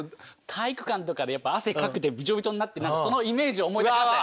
体育館とかでやっぱ汗かくんでビチョビチョになってそのイメージを思い出しましたね。